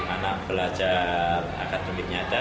anak belajar akan dunia nyata